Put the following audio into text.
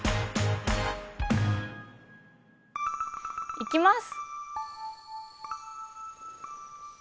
いきます！